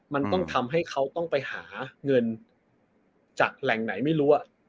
มันต้องทำให้เขาต้องไปหาเงินจากแหล่งไหนไม่รู้